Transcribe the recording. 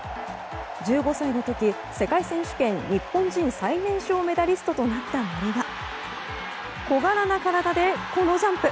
１５歳の時世界選手権日本人最年少メダリストとなった森は小柄な体で、このジャンプ。